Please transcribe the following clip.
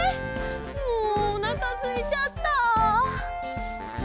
もうおなかすいちゃった！